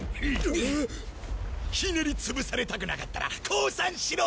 ひねり潰されたくなかったら降参しろ。